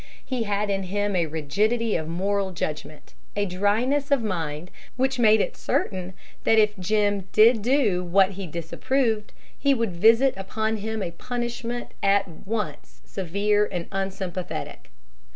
He had in him a rigidity of moral judgment, a dryness of mind which made it certain that if Jim did do what he disapproved, he would visit upon him a punishment at once severe and unsympathetic.